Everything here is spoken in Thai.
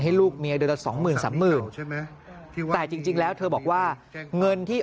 ให้ลูกเมียเดือนละ๒๐๐๐๐๓๐๐๐๐แต่จริงแล้วเธอบอกว่าเงินที่